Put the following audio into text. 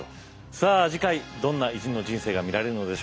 さあ次回どんな偉人の人生が見られるのでしょうか。